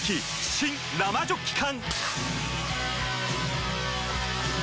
新・生ジョッキ缶！